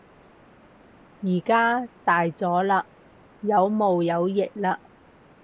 而家大咗喇，有毛有翼喇